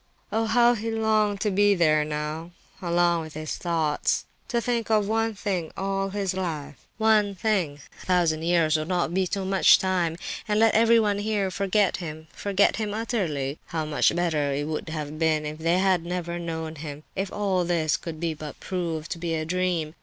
Oh! how he longed to be there now—alone with his thoughts—to think of one thing all his life—one thing! A thousand years would not be too much time! And let everyone here forget him—forget him utterly! How much better it would have been if they had never known him—if all this could but prove to be a dream.